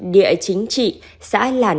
địa chính trị xã làn